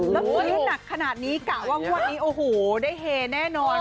แล้วซื้อหนักขนาดนี้กะว่างวดนี้โอ้โหได้เฮแน่นอน